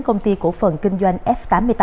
công ty cổ phần kinh doanh f tám mươi tám